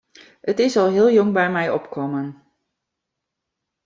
It is al heel jong by my opkommen.